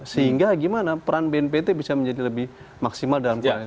sehingga gimana peran bnpt bisa menjadi lebih maksimal dalam konteks ini